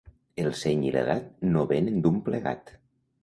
El seny i l'edat no venen d'un plegat.